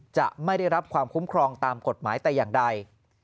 จะไม่ได้รับความคุ้มครองตามกฎหมายแต่อย่างใด